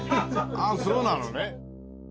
ああそうなのね。